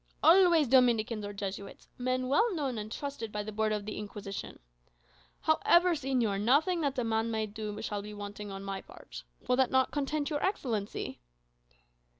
"Always Dominicans or Jesuits men well known and trusted by the Board of the Inquisition. However, señor, nothing that a man may do shall be wanting on my part. Will not that content your Excellency?"